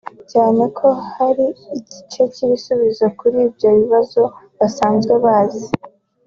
cyane ko hari igice cy’ibisubizo kuri ibyo bibazo basanzwe bazi